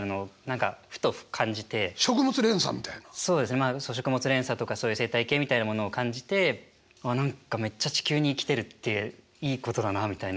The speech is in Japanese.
まあ食物連鎖とかそういう生態系みたいなものを感じてあっ何かめっちゃ地球に生きてるっていいことだなみたいな。